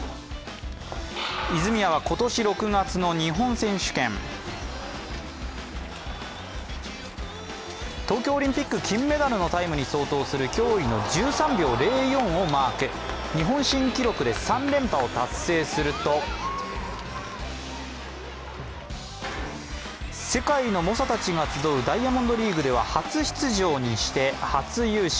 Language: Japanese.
泉谷は今年６月の日本選手権、東京オリンピック金メダルのタイムに相当する驚異の１３秒０４をマーク。日本新記録で３連覇を達成すると世界の猛者たちが集うダイヤモンドリーグでは初出場にして初優勝。